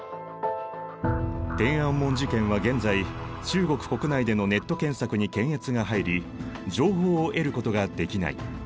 天安門事件は現在中国国内でのネット検索に検閲が入り情報を得ることができない。